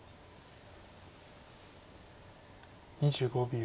２５秒。